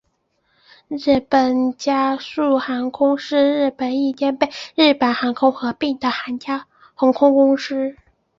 日本佳速航空是日本一间被日本航空合并的航空公司。